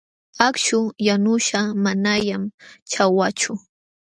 Akśhu yanuśhqa manañan ćhawachu.